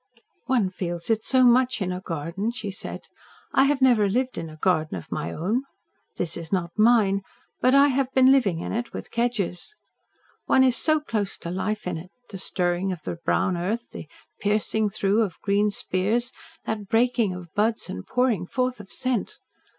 "One feels it so much in a garden," she said. "I have never lived in a garden of my own. This is not mine, but I have been living in it with Kedgers. One is so close to Life in it the stirring in the brown earth, the piercing through of green spears, that breaking of buds and pouring forth of scent!